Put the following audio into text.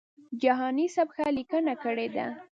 جهاني سیب ښه لیکنه کړې ده.